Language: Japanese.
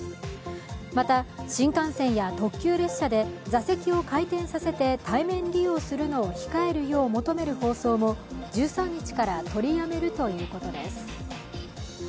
また、新幹線や特急列車で座席を回転させて対面利用するのを控えるよう求める放送も１３日から取りやめるということです。